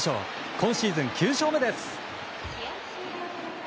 今シーズン９勝目です。